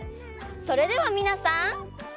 それではみなさん。